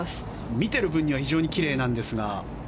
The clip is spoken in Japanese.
見ている分には非常にきれいなんですが。